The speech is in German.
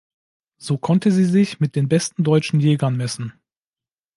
So konnte sie sich mit den besten deutschen Jägern messen.